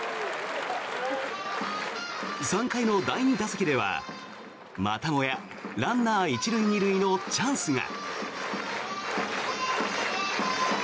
３回の第２打席ではまたもやランナー１塁２塁のチャンスが。